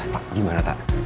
tak gimana tak